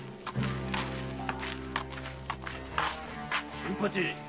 新八！